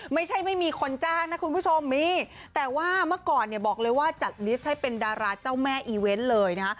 ไม่มีคนจ้างนะคุณผู้ชมมีแต่ว่าเมื่อก่อนเนี่ยบอกเลยว่าจัดลิสต์ให้เป็นดาราเจ้าแม่อีเวนต์เลยนะ